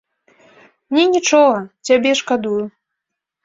Мне нічога, цябе шкадую.